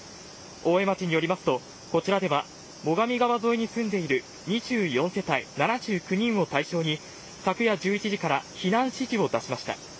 大江町によりますと、こちらでは最上川沿いに住んでいる２４世帯７９人を対象に昨夜１１時から避難指示を出しました。